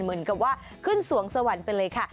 เหมือนกับว่าขึ้นสวงสวรรค์ไปเลยค่ะ